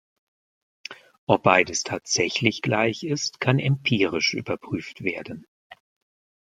Ob beides tatsächlich gleich ist, kann empirisch überprüft werden.